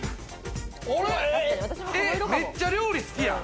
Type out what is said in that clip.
めっちゃ料理好きやん！